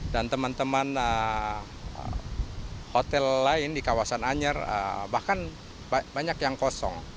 dan teman teman hotel lain di kawasan anyer bahkan banyak yang kosong